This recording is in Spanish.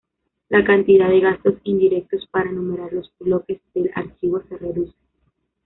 La cantidad de gastos indirectos para enumerar los bloques del archivo se reduce.